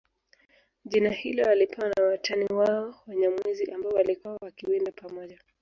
Jina hilo walipewa na watani wao Wanyamwezi ambao walikuwa wakiwinda pamoja